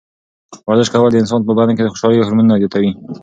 ورزش کول د انسان په بدن کې د خوشحالۍ هورمونونه زیاتوي.